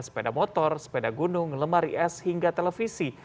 sepeda motor sepeda gunung lemari es hingga televisi